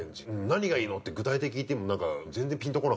「何がいいの？」って具体的に聞いてもなんか。